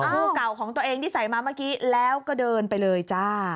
ผู้เก่าของตัวเองที่ใส่มาเมื่อกี้แล้วก็เดินไปเลยจ้า